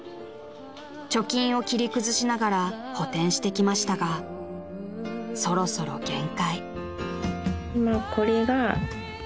［貯金を切り崩しながら補てんしてきましたがそろそろ限界］